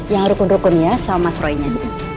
jangan rukun rukun ya sama mas roynya